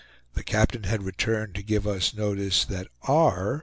The captain had returned to give us notice that R.